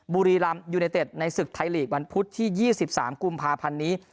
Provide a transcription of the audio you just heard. บุรีรำยูเนเต็ดในศึกไทยลีกวันพุธที่๒๓กุมภาพันธ์นี้